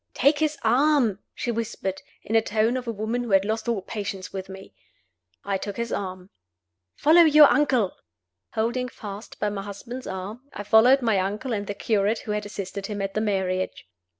"Take his arm!" she whispered, in the tone of a woman who had lost all patience with me. I took his arm. "Follow your uncle." Holding fast by my husband's arm, I followed my uncle and the curate who had assisted him at the marriage.